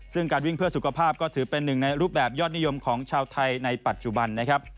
ซึ่งการวิ่งเพื่อสุขภาพก็ถือเป็นหนึ่งในรูปแบบยอดนิยมของชาวไทยในปัจจุบันนะครับ